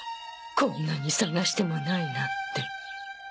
こんなに捜してもないなんて。